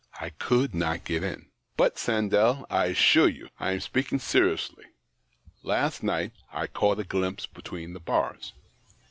I could not get in. But, Sandell, I assure you — I am speaking seriously — last night I caught a glimpse between the bars.